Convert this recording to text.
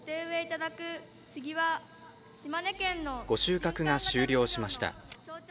御収穫が終了しました。